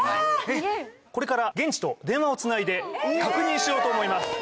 これから現地と電話をつないで確認しようと思います